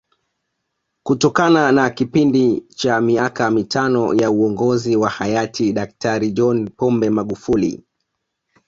Kutokana na kipindi cha miaka mitano ya Uongozi wa Hayati Daktari John Pombe Magufuli